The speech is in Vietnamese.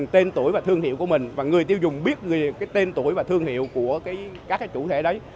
tên tuổi và thương hiệu của mình và người tiêu dùng biết tên tuổi và thương hiệu của các chủ thể đấy